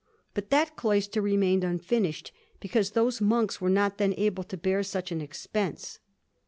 But that cloister remained unfinished, because those monks were not then able to bear such an expense.